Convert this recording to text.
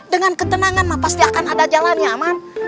dengan ketenangan pasti akan ada jalan ya yaman